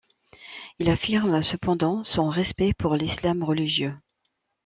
Il affirme cependant son respect pour l'islam religieux.